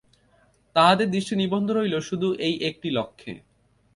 তাহাদের দৃষ্টি নিবন্ধ রহিল শুধু এই একটি লক্ষ্যে।